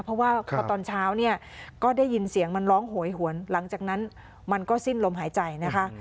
เพราะว่าพอตอนเช้าเนี่ยก็ได้ยินเสียงมันร้องโหยหวนหลังจากนั้นมันก็สิ้นลมหายใจนะคะ